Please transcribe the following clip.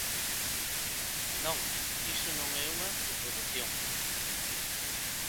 Non, iso non é unha coprodución.